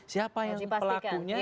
siapa yang pelakunya